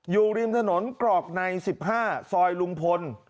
อยู่ริมถนนกรอกใน๑๕ซอยลุงพล